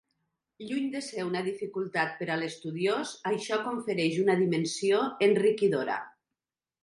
Lluny de ser una dificultat per a l’estudiós, això confereix una dimensió enriquidora.